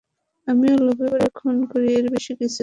আমিও লোভে পরে খুন করি, এর বেশি কিছু জানি না।